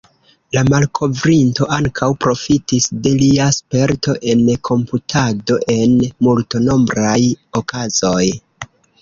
La malkovrinto ankaŭ profitis de lia sperto en komputado en multnombraj okazoj.